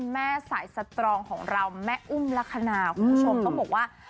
แม่สายสตรองของเราแม่อุ้มลักษณะคุณผู้ชมต้องบอกว่า